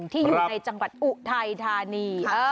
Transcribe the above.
ที่อยู่ในจังหวัดอุทัยธานี